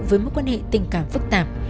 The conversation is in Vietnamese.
với mối quan hệ tình cảm phức tạp